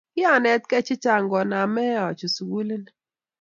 Kianetgei che chang' koname achut sukulini